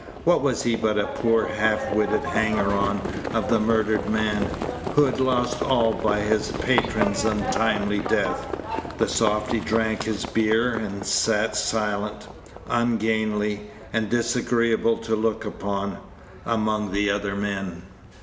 What was he but a poor half witted hanger on of the murdered man, who had lost all by his patron's untimely death? The softy drank his beer, and sat, silent, ungainly, and disagreeable to look upon, among the other men.